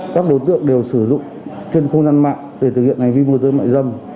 các đối tượng đều sử dụng trên không gian mạng để thực hiện hành vi môi giới mại dâm